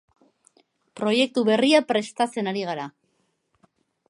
Proiektu berria prestatzen ari gara.